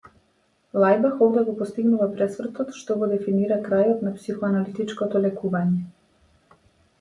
Лајбах овде го постигнува пресвртот што го дефинира крајот на психоаналитичкото лекување.